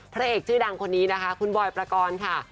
พระเอกชื่อดังคนนี้นะคะคุณบอยประกอบค่ะ